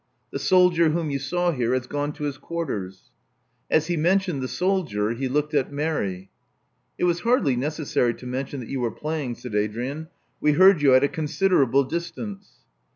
The soldier whom you saw here has gone to his quarters. " As he mentioned the soldier, he looked at Mary. It was hardly necessary to mention that you were playing," said Adrian. We heard you at a con siderable distance."